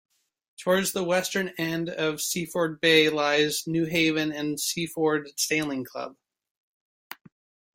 Towards the western end of Seaford Bay lies Newhaven and Seaford Sailing Club.